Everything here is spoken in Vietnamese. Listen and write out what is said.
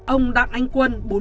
ông đắc anh quân bốn mươi ba